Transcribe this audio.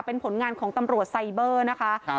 เป็นผลงานของตำรวจไซเบอร์นะคะ